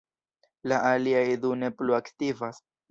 La aliaj du ne plu aktivas.